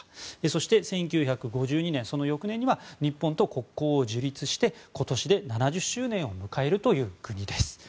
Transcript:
そして、１９５２年その翌年には日本と国交を樹立して今年で７０周年を迎えるという国です。